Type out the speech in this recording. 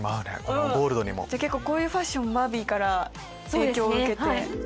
こういうファッションバービーから影響を受けて。